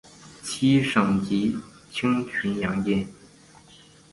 七省级轻巡洋舰。